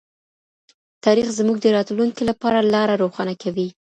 تاریخ زموږ د راتلونکي لپاره لاره روښانه کوي.